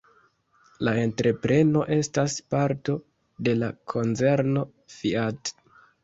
La entrepreno estas parto de la konzerno Fiat.